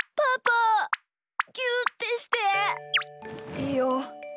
いいよ。